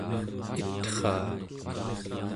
itraa